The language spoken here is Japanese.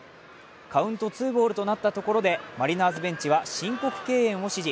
カウント２ボールとなったところで、マリナーズベンチは申告敬遠を指示。